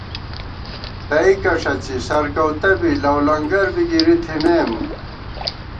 تئیکہ ݭڅی سرکؤتہ بی لؤلنگر بی گِرِی تھِمېم